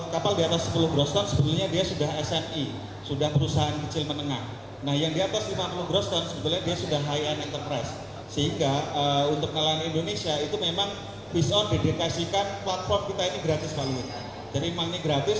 kita punya e commerce perikanan kemudian kita punya sepuluh fitur sampai dengan